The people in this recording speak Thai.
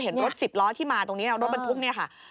เห็นรถ๑๐ล้อที่มาตรงนี้รถเป็นทุกข์นี่ค่ะ